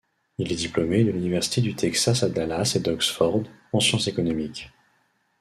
Il est diplômé de l'université du Texas à Dallas et d'Oxford, en sciences économiques.